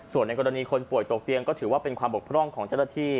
ส่วนในกรณีคนป่วยตกเตียงก็ถือว่าเป็นความบกพร่องของเจ้าหน้าที่